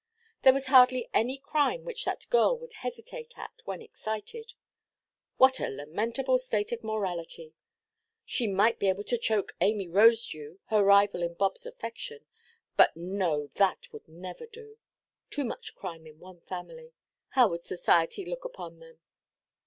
There was hardly any crime which that girl would hesitate at, when excited. What a lamentable state of morality! She might be made to choke Amy Rosedew, her rival in Bobʼs affection. But no, that would never do. Too much crime in one family. How would society look upon them?